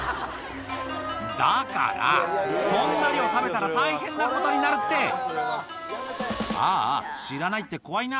だから、そんなに食べたら大変なことになるって。あーあ、知らないって怖いな。